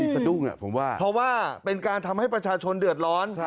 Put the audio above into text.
เพราะว่าเป็นการทำให้ประชาชนเดือดร้อน